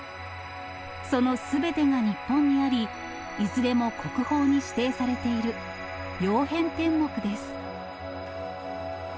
そのすべてが日本にあり、いずれも国宝に指定されている、曜変天目です。